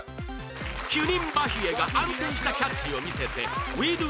ヒュニンバヒエが安定したキャッチを見せて Ｗｅｄｏ！